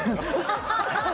ハハハハ！